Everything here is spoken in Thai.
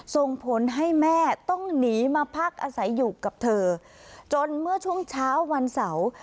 ส่งผลให้แม่ต้องหนีมาพักอาศัยอยู่กับเธอจนเมื่อช่วงเช้าวันเสาร์